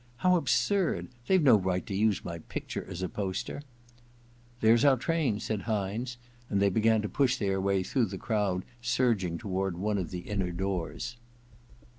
*How absurd ! They Ve no right to use my picture as a poster !'* There's our train/ said Hynes ; and they began to push their way through the crowd surging toward one of the inner doors.